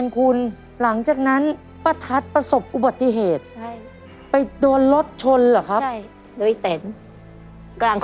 กลางคนต่างไม่เห็นกัน